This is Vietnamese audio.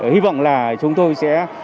hy vọng là chúng tôi sẽ